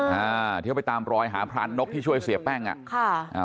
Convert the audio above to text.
ที่เขาก็ไปตามรอยหาพลานนกที่ช่วยเสียแป้งอะ